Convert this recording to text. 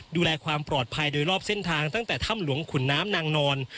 ดูแลความปลอดภัยโดยรอบเส้นทางตั้งแต่ถ้ำหลวงขุนน้ำนางนอน